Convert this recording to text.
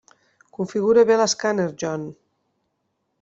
Configura bé l'escàner, John.